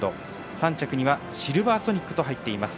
３着にはシルヴァーソニックと入っています。